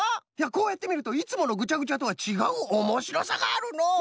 こうやってみるといつものぐちゃぐちゃとはちがうおもしろさがあるのう。